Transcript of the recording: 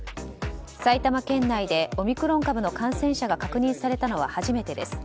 埼玉県内でオミクロン株の感染者が確認されたのは初めてです。